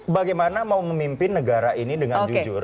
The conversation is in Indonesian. bagaimana mau memimpin negara ini dengan jujur